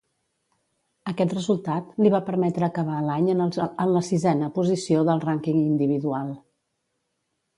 Aquest resultat li va permetre acabar l'any en la sisena posició del rànquing individual.